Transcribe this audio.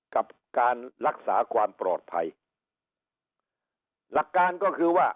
กับการรักษาความปลอดภัยหลักการก็คือว่า